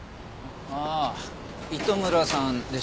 ああ糸村さんでしたっけ？